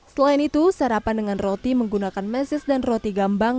selain itu sarapan dengan roti menggunakan mesis dan roti gambang